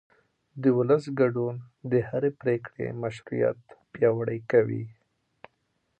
د ولس ګډون د هرې پرېکړې مشروعیت پیاوړی کوي